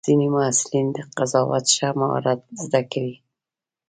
ځینې محصلین د قضاوت ښه مهارت زده کوي.